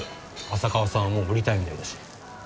浅川さんはもう降りたいみたいだし。